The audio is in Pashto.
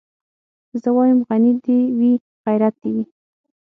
زه وايم غني دي وي غيرت دي وي